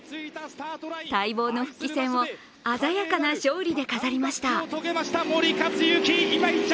待望の復帰戦を鮮やかな勝利で飾りました。